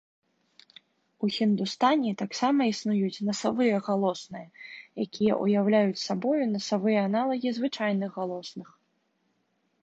У хіндустані таксама існуюць насавыя галосныя, якія ўяўляюць сабою насавыя аналагі звычайных галосных.